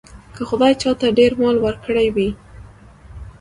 که خدای چاته ډېر مال ورکړی وي.